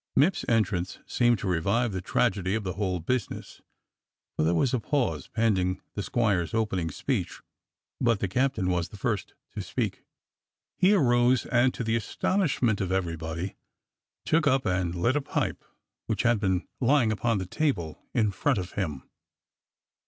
Mipps's entrance seemed to revive the tragedy of the whole business, for there was a pause pending the squire's opening speech; but the captain was the first to speak. He arose and to the astonish ment of everybody took up and lit a pipe which had been lying upon the table in front of him.